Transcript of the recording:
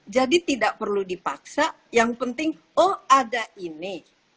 jadi tidak perlu dipaksa yang penting oh ada ini